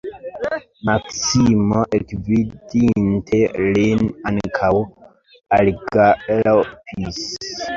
Maksimo, ekvidinte lin, ankaŭ algalopis.